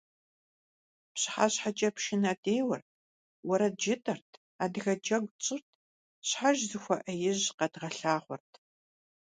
ПщыхьэщхьэкӀэрэ пшынэ деуэрт, уэрэд жытӀэрт, адыгэ джэгу тщӀырт - щхьэж зыхуэӀэижь къэдгъэлъагъуэрт.